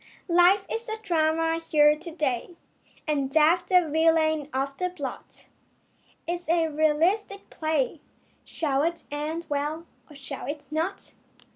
Life is the drama here to day And Death the villain of the plot. It is a realistic play. Shall it end well or shall it not?